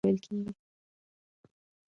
د پانګې دې برخې ته ثابته پانګه ویل کېږي